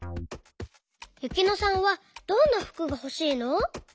ゆきのさんはどんなふくがほしいの？